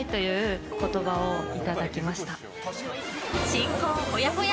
新婚ほやほや